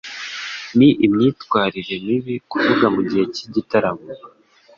Ni imyitwarire mibi kuvuga mugihe cy'igitaramo.